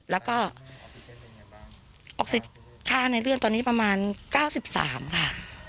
แล้วก็ออกสิทธิ์ค่าในเรื่องตอนนี้ประมาณ๙๓ค่ะ